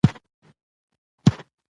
چې اوس خلک وژنې؟